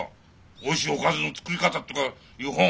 おいしいおかずの作り方とかいう本。